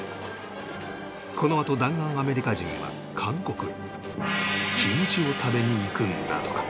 このあと弾丸アメリカ人は韓国へキムチを食べに行くんだとか